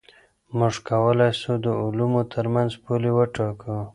موږ کولای سو د علومو ترمنځ پولي وټاکو.